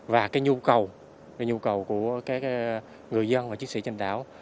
và cái nhu cầu cái nhu cầu của các người dân và chiến sĩ trên đảo